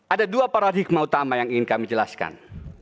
ada dua paradigma utama yang ingin kami jelaskan